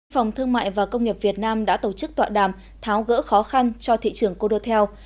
phòng thương mại và công nghiệp việt nam đã tổ chức tọa đàm tháo gỡ khó khăn cho thị trường cô đô tèo